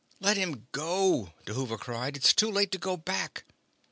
"Let him go!" Dhuva cried. "It's too late to go back!"